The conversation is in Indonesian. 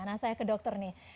nah saya ke dokter nih